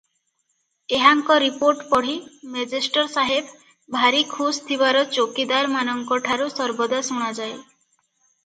ଏହାଙ୍କ ରିପୋର୍ଟ ପଢ଼ି ମେଜେଷ୍ଟର ସାହେବ ଭାରି ଖୁସ୍ ଥିବାର ଚୌକିଦାରମାନଙ୍କଠାରୁ ସର୍ବଦା ଶୁଣାଯାଏ ।